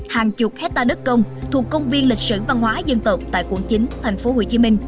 hàng chục hectare đất công thuộc công viên lịch sử văn hóa dân tộc tại quận chín tp hcm